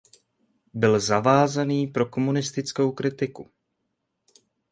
Byl závazný pro komunistickou kritiku.